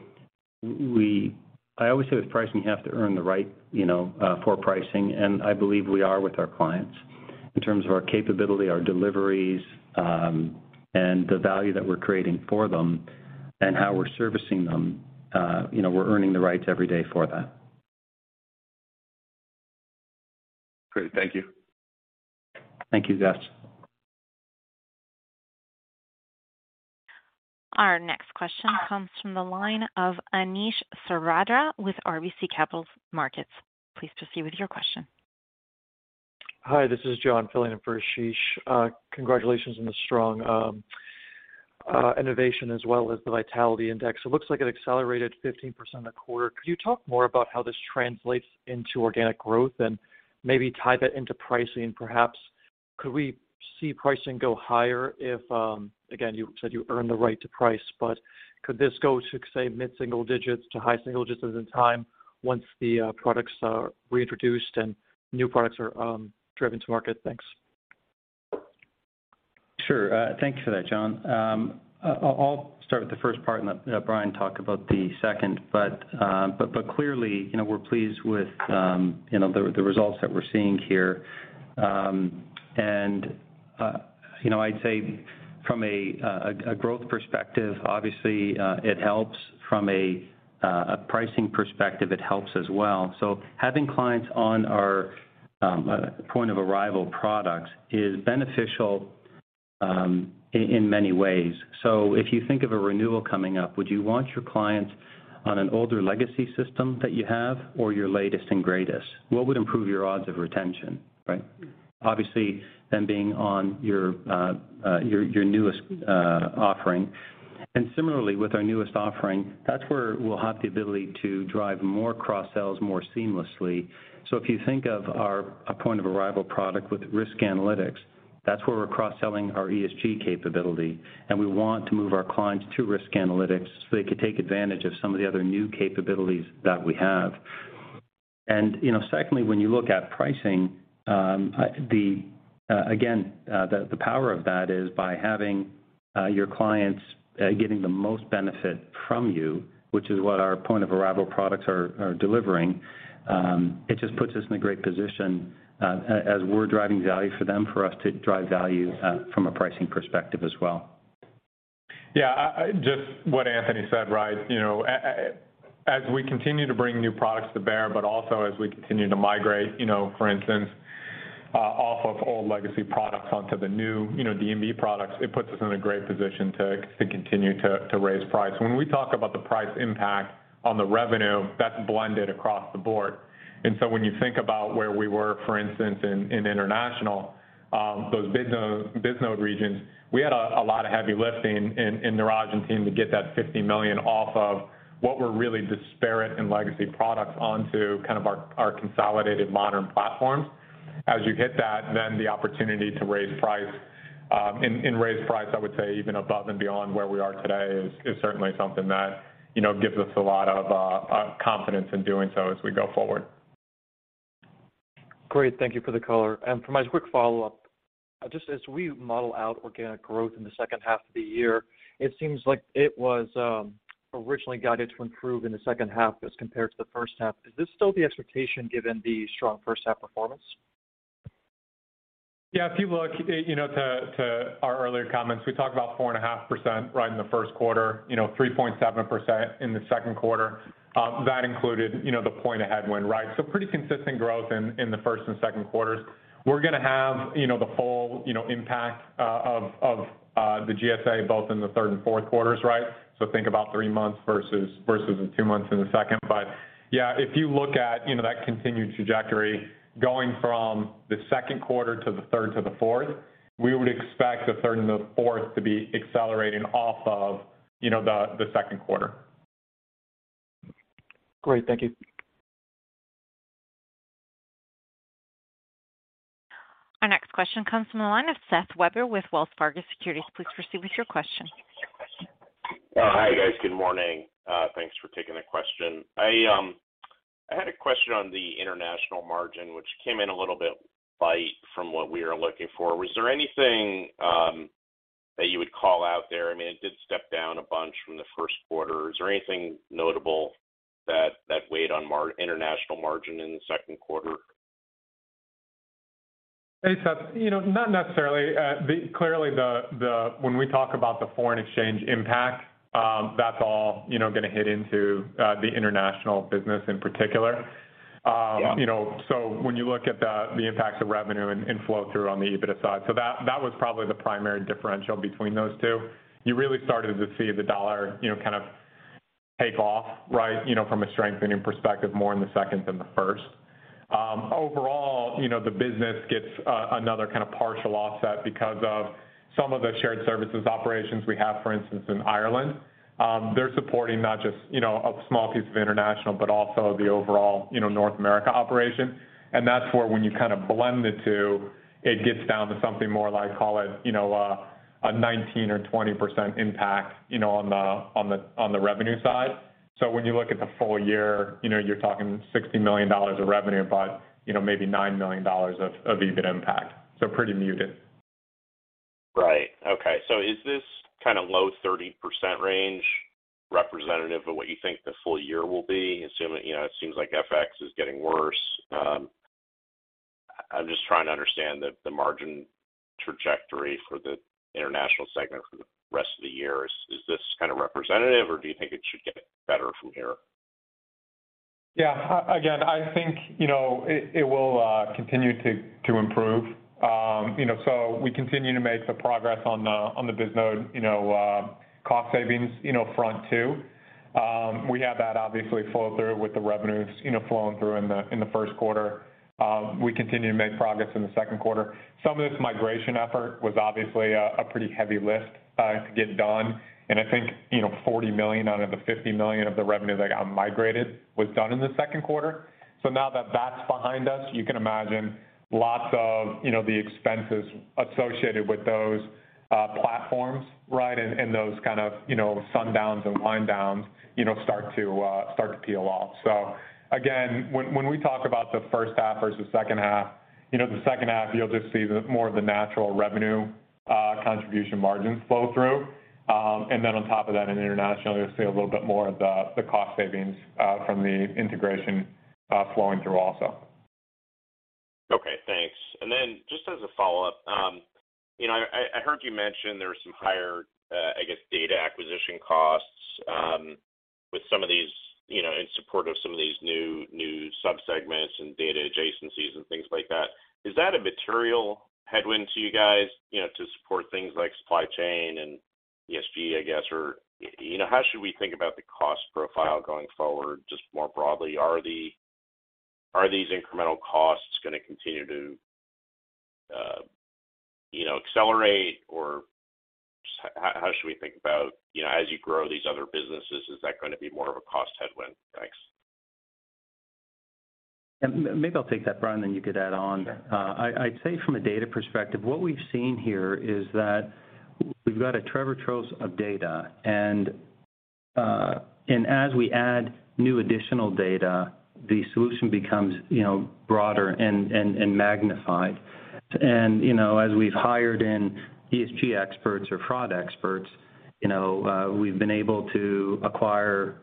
I always say with pricing you have to earn the right, you know, for pricing, and I believe we are with our clients in terms of our capability, our deliveries, and the value that we're creating for them and how we're servicing them. You know, we're earning the rights every day for that. Great. Thank you. Thank you, Gus. Our next question comes from the line of Ashish Sabadra with RBC Capital Markets. Please proceed with your question. Hi, this is John filling in for Ashish. Congratulations on the strong innovation as well as the Vitality Index. It looks like it accelerated 15% a quarter. Could you talk more about how this translates into organic growth and maybe tie that into pricing, perhaps? Could we see pricing go higher if, again, you said you earned the right to price, but could this go to, say, mid-single digits to high single digits% in time once the products are reintroduced and new products are driven to market? Thanks. Sure. Thanks for that, John. I'll start with the first part and let Bryan talk about the second. Clearly, you know, we're pleased with, you know, the results that we're seeing here. You know, I'd say from a growth perspective, obviously, it helps. From a pricing perspective, it helps as well. Having clients on our point of arrival products is beneficial in many ways. If you think of a renewal coming up, would you want your clients on an older legacy system that you have or your latest and greatest? What would improve your odds of retention, right? Obviously, them being on your newest offering. Similarly, with our newest offering, that's where we'll have the ability to drive more cross-sells more seamlessly. If you think of our point of arrival product with risk analytics, that's where we're cross-selling our ESG capability, and we want to move our clients to risk analytics so they could take advantage of some of the other new capabilities that we have. Secondly, when you look at pricing, the power of that is by having your clients getting the most benefit from you, which is what our point of arrival products are delivering, it just puts us in a great position as we're driving value for them, for us to drive value from a pricing perspective as well. Yeah. Just what Anthony said, right? You know, as we continue to bring new products to bear, but also as we continue to migrate, you know, for instance, off of old legacy products onto the new, you know, D&B products, it puts us in a great position to continue to raise price. When we talk about the price impact on the revenue, that's blended across the board. When you think about where we were, for instance, in international, those Bisnode regions, we had a lot of heavy lifting in Niraj and team to get that $50 million off of what were really disparate and legacy products onto kind of our consolidated modern platforms. As you hit that, then the opportunity to raise price, I would say even above and beyond where we are today is certainly something that, you know, gives us a lot of confidence in doing so as we go forward. Great. Thank you for the color. For my quick follow-up, just as we model out organic growth in the second half of the year, it seems like it was originally guided to improve in the second half as compared to the first half. Is this still the expectation given the strong first half performance? Yeah. If you look, you know, to our earlier comments, we talked about 4.5% right in the first quarter, you know, 3.7% in the second quarter, that included, you know, the one-point headwind, right? Pretty consistent growth in the first and second quarters. We're gonna have, you know, the full, you know, impact of the GSA both in the third and fourth quarters, right? Think about three months versus the two months in the second. Yeah, if you look at, you know, that continued trajectory going from the second quarter to the third to the fourth, we would expect the third and the fourth to be accelerating off of, you know, the second quarter. Great. Thank you. Our next question comes from the line of Seth Weber with Wells Fargo Securities. Please proceed with your question. Hi, guys. Good morning. Thanks for taking the question. I had a question on the international margin, which came in a little bit light from what we are looking for. Was there anything that you would call out there? I mean, it did step down a bunch from the first quarter. Is there anything notable that weighed on international margin in the second quarter? Hey, Seth. You know, not necessarily. Clearly, when we talk about the foreign exchange impact, that's all, you know, gonna hit into the international business in particular. Yeah. When you look at the impacts of revenue and flow through on the EBITDA side, that was probably the primary differential between those two. You really started to see the dollar, you know, kind of take off, right, you know, from a strengthening perspective, more in the second than the first. Overall, you know, the business gets another kind of partial offset because of some of the shared services operations we have, for instance, in Ireland. They're supporting not just, you know, a small piece of international, but also the overall, you know, North America operation. That's where when you kind of blend the two, it gets down to something more like, call it, you know, a 19% or 20% impact, you know, on the revenue side. When you look at the full year, you know, you're talking $60 million of revenue, but, you know, maybe $9 million of EBITDA impact. Pretty muted. Is this kind of low 30% range representative of what you think the full year will be? Assuming, you know, it seems like FX is getting worse. I'm just trying to understand the margin trajectory for the international segment for the rest of the year. Is this kind of representative, or do you think it should get better from here? Yeah. Again, I think, you know, it will continue to improve. We continue to make the progress on the Bisnode, you know, cost savings, you know, front, too. We had that obviously flow through with the revenues, you know, flowing through in the first quarter. We continue to make progress in the second quarter. Some of this migration effort was obviously a pretty heavy lift to get done. I think, you know, $40 million out of the $50 million of the revenues that got migrated was done in the second quarter. Now that that's behind us, you can imagine lots of, you know, the expenses associated with those platforms, right? Those kind of, you know, sundowns and wind downs, you know, start to peel off. Again, when we talk about the first half versus second half, you know, the second half you'll just see more of the natural revenue contribution margins flow through. Then on top of that, in international, you'll see a little bit more of the cost savings from the integration flowing through also. Okay, thanks. Just as a follow-up, you know, I heard you mention there were some higher, I guess, data acquisition costs, with some of these, you know, in support of some of these new sub-segments and data adjacencies and things like that. Is that a material headwind to you guys, you know, to support things like supply chain and ESG, I guess? Or, you know, how should we think about the cost profile going forward, just more broadly? Are these incremental costs gonna continue to, you know, accelerate? Or how should we think about, you know, as you grow these other businesses, is that gonna be more of a cost headwind? Thanks. Maybe I'll take that, Bryan, then you could add on. Sure. I'd say from a data perspective, what we've seen here is that we've got a tremendous amount of data, and as we add new additional data, the solution becomes, you know, broader and magnified. You know, as we've hired in ESG experts or fraud experts, you know, we've been able to acquire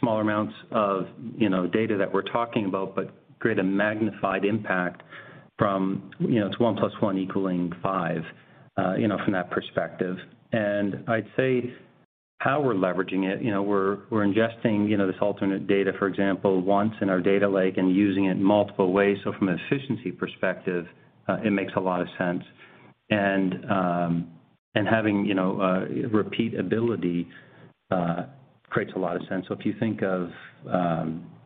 smaller amounts of, you know, data that we're talking about, but create a magnified impact from, you know, it's one plus one equaling five, you know, from that perspective. I'd say how we're leveraging it, you know, we're ingesting, you know, this alternate data, for example, into our data lake and using it in multiple ways. So from an efficiency perspective, it makes a lot of sense. Having, you know, repeatability creates a lot of sense. If you think of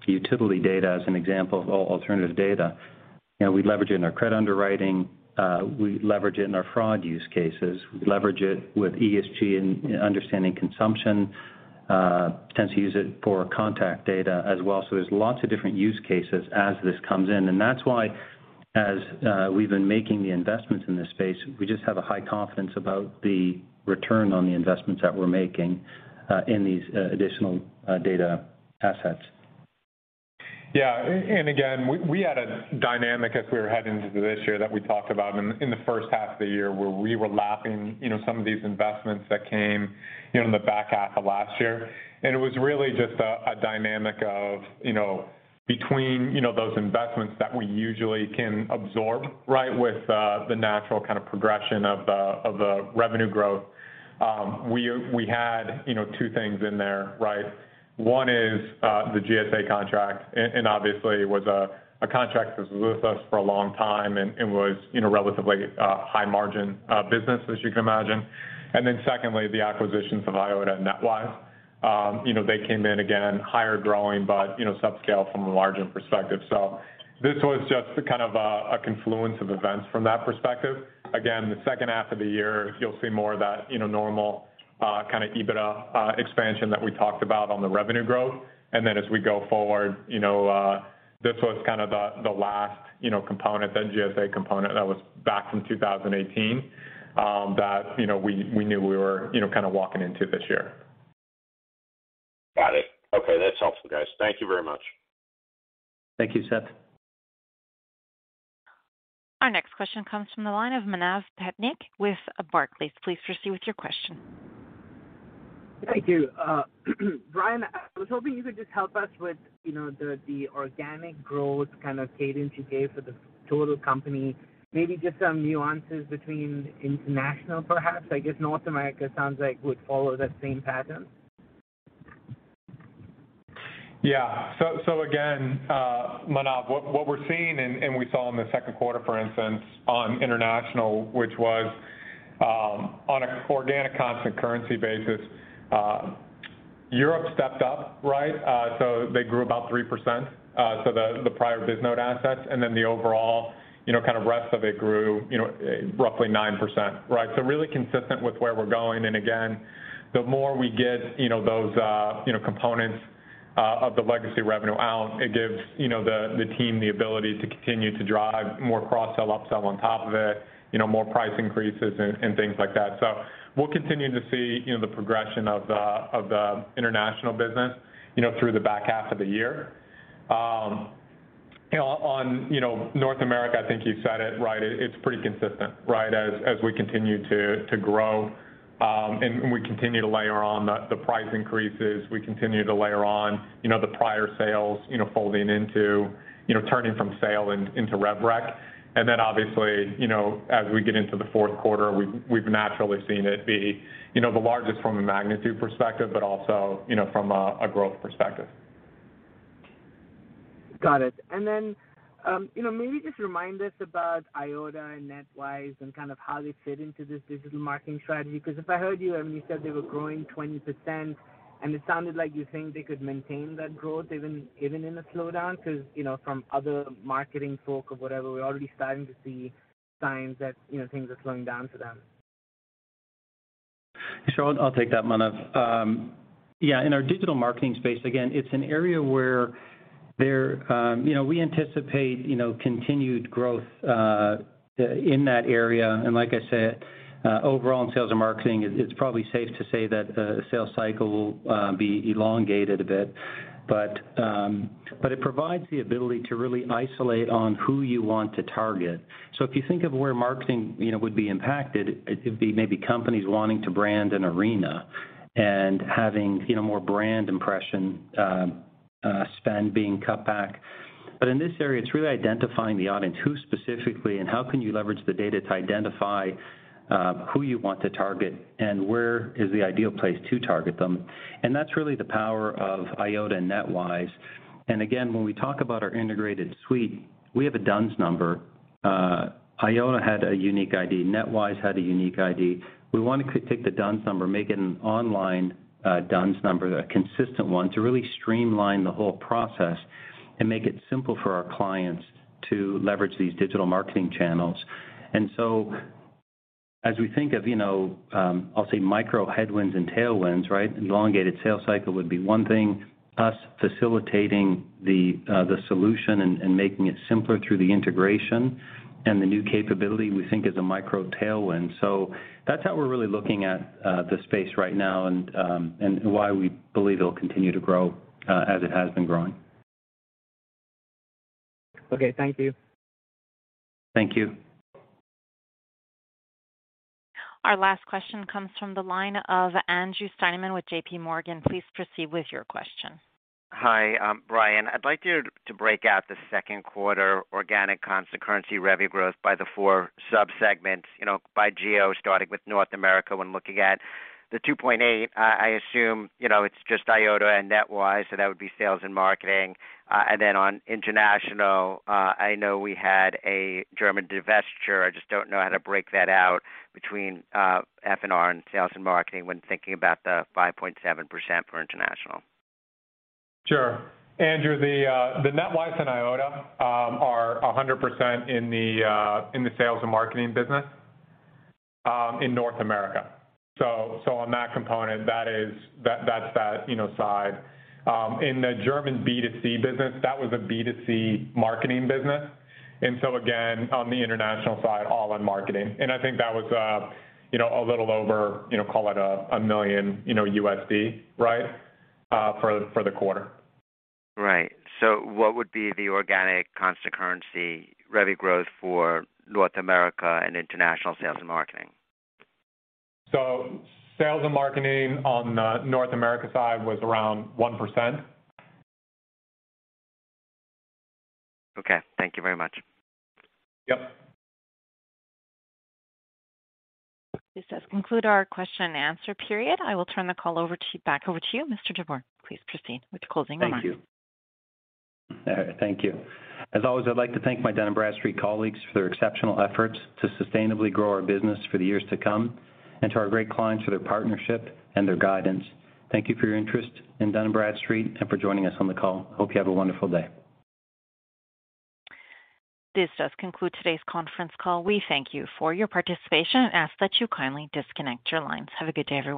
utility data as an example of alternative data, you know, we leverage it in our credit underwriting, we leverage it in our fraud use cases. We leverage it with ESG and understanding consumption, tends to use it for contact data as well. There's lots of different use cases as this comes in. That's why as we've been making the investments in this space, we just have a high confidence about the return on the investments that we're making, in these additional data assets. Yeah. Again, we had a dynamic as we were heading into this year that we talked about in the first half of the year, where we were lapping, you know, some of these investments that came, you know, in the back half of last year. It was really just a dynamic of, you know, between, you know, those investments that we usually can absorb, right? With the natural kind of progression of the revenue growth. We had, you know, two things in there, right? One is the GSA contract, and obviously it was a contract that was with us for a long time and was, you know, relatively high margin business as you can imagine. Then secondly, the acquisitions of Eyeota and NetWise. You know, they came in, again, higher growing, but you know, subscale from a margin perspective. This was just kind of a confluence of events from that perspective. Again, the second half of the year, you'll see more of that, you know, normal kind of EBITDA expansion that we talked about on the revenue growth. As we go forward, you know, this was kind of the last, you know, component, that GSA component that was back from 2018, that you know, we knew we were, you know, kind of walking into this year. Got it. Okay. That's helpful, guys. Thank you very much. Thank you, Seth. Our next question comes from the line of Manav Patnaik with Barclays. Please proceed with your question. Thank you. Bryan, I was hoping you could just help us with, you know, the organic growth kind of cadence you gave for the total company. Maybe just some nuances between international perhaps. I guess North America sounds like would follow that same pattern. Again, Manav, what we're seeing and we saw in the second quarter, for instance, on international, which was on an organic constant currency basis, Europe stepped up, right? They grew about 3%, the prior Bisnode assets, and then the overall, you know, kind of rest of it grew, you know, roughly 9%, right? Really consistent with where we're going. Again, the more we get, you know, those, you know, components of the legacy revenue out, it gives, you know, the team the ability to continue to drive more cross sell, upsell on top of it, you know, more price increases and things like that. We'll continue to see, you know, the progression of the international business, you know, through the back half of the year. You know, on North America, I think you said it right, it's pretty consistent, right? As we continue to grow, and we continue to layer on the price increases, we continue to layer on, you know, the prior sales, you know, folding into, you know, turning from sale into rev rec. Then obviously, you know, as we get into the fourth quarter, we've naturally seen it be, you know, the largest from a magnitude perspective, but also, you know, from a growth perspective. Got it. You know, maybe just remind us about Eyeota and NetWise and kind of how they fit into this digital marketing strategy. Because if I heard you, I mean, you said they were growing 20%, and it sounded like you think they could maintain that growth even in a slowdown 'cause, you know, from other marketing folk or whatever, we're already starting to see signs that, you know, things are slowing down for them. Sure. I'll take that, Manav. In our digital marketing space, again, it's an area where there you know, we anticipate you know, continued growth in that area. Like I said, overall in sales and marketing, it's probably safe to say that the sales cycle will be elongated a bit. But it provides the ability to really isolate on who you want to target. If you think of where marketing you know, would be impacted, it would be maybe companies wanting to brand an arena and having you know, more brand impression spend being cut back. In this area, it's really identifying the audience. Who specifically and how can you leverage the data to identify who you want to target and where is the ideal place to target them. That's really the power of Eyeota and NetWise. Again, when we talk about our integrated suite, we have a D-U-N-S Number. Eyeota had a unique ID. NetWise had a unique ID. We wanna take the D-U-N-S Number, make it an online D-U-N-S Number, a consistent one, to really streamline the whole process and make it simple for our clients to leverage these digital marketing channels. As we think of, you know, I'll say micro headwinds and tailwinds, right? Elongated sales cycle would be one thing, us facilitating the solution and making it simpler through the integration and the new capability we think is a micro tailwind. That's how we're really looking at the space right now and why we believe it'll continue to grow as it has been growing. Okay. Thank you. Thank you. Our last question comes from the line of Andrew Steinerman with JPMorgan. Please proceed with your question. Hi, Bryan, I'd like you to break out the second quarter organic constant currency revenue growth by the four sub-segments, you know, by geo, starting with North America when looking at the 2.8%. I assume, you know, it's just Eyeota and NetWise, so that would be sales and marketing. On international, I know we had a German divestiture. I just don't know how to break that out between F&R and sales and marketing when thinking about the 5.7% for international. Sure. Andrew, the NetWise and Eyeota are 100% in the sales and marketing business in North America. On that component, that is that's that, you know, side. In the German B2C business, that was a B2C marketing business. Again, on the international side, all on marketing. I think that was a little over, you know, call it $1 million, you know, right, for the quarter. Right. What would be the organic constant currency revenue growth for North America and international sales and marketing? Sales and marketing on the North America side was around 1%. Okay. Thank you very much. Yep. This does conclude our question and answer period. I will turn the call back over to you, Mr. Jabbour. Please proceed with your closing remarks. Thank you. All right. Thank you. As always, I'd like to thank my Dun & Bradstreet colleagues for their exceptional efforts to sustainably grow our business for the years to come and to our great clients for their partnership and their guidance. Thank you for your interest in Dun & Bradstreet and for joining us on the call. Hope you have a wonderful day. This does conclude today's conference call. We thank you for your participation and ask that you kindly disconnect your lines. Have a good day, everyone.